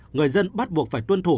người dân bắt buộc phải tuân thủ